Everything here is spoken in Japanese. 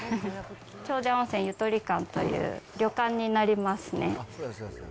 長者温泉ゆとり館という旅館になりますね。